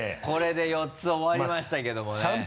これで４つ終わりましたけどもね